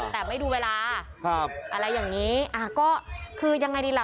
แต่ไม่ดูเวลาอะไรอย่างนี้ก็คือยังไงดีล่ะ